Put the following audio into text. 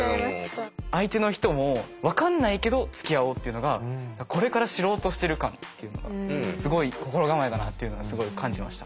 相手の人も「分かんないけどつきあおう」っていうのがこれから知ろうとしてる感っていうのがすごい心構えだなっていうのがすごい感じました。